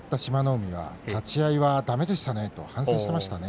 海は立ち合いはだめでしたねと反省していました。